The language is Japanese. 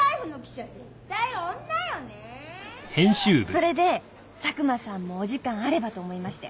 それで佐久間さんもお時間あればと思いまして。